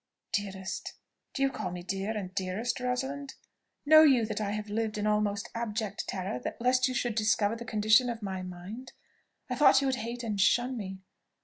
"Dearest? Do you call me dear, and dearest, Rosalind? Know you that I have lived in almost abject terror lest you should discover the condition of my mind? I thought you would hate and shun me.